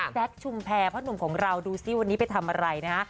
ชุมแพรพ่อหนุ่มของเราดูซิวันนี้ไปทำอะไรนะฮะ